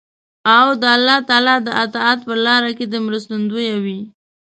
او د الله تعالی د اطاعت په لار کې دې مرستندوی وي.